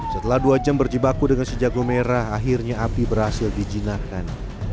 setelah dua jam berjibaku dengan sejago merah akhirnya api berhasil dijinakkan